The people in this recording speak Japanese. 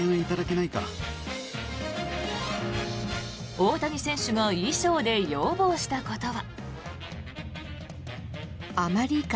大谷選手が衣装で要望したことは。